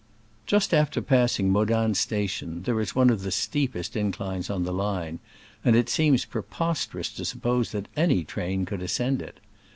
Just after passing: Modane station there is one of the steepest inclines on the line, and it seems preposterous to suppose that any train could ascend it.